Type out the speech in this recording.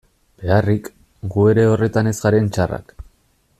Beharrik, gu ere horretan ez garen txarrak...